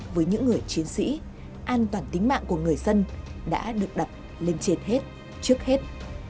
với những người chiến sĩ an toàn tính mạng của người dân đã được đặt lên trên hết trước hết